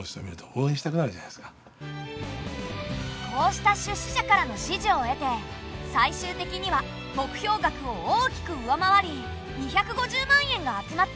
こうした出資者からの支持を得て最終的には目標額を大きく上回り２５０万円が集まった。